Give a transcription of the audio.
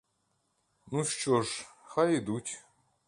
Ну що ж, хай ідуть.